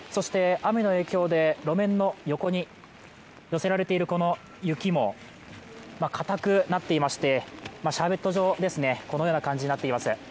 雨の影響で、路面の横に寄せられているこの雪も固くなっていましてシャーベット状ですね、このような感じになってます。